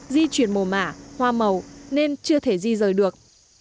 di chuyển mồ mả hoa màu nên chưa thể di rời được